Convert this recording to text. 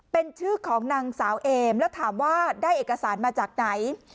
เป็นชื่อของนางสาวเอมแล้วถามว่าได้เอกสารมาจากไหน